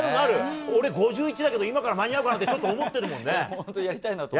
俺、５１だけど今から間に合うかなって思ってるもんね。